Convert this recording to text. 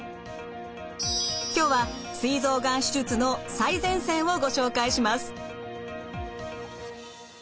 今日はすい臓がん手術の最前線をご紹介します。